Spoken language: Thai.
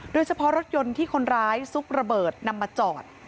โดยเฉพาะรถยนต์ที่คนร้ายซุกระเบิดนำมาจอด